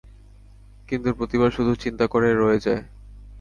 কিন্তু প্রতিবার শুধু, চিন্তা করে রয়ে যায়।